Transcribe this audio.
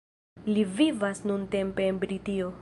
Li vivas nuntempe en Britio.